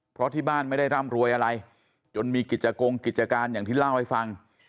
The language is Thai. เพราะที่บ้านไม่ได้ร่ำรวยอะไรจนมีกิจกงกิจการอย่างที่เล่าให้ฟัง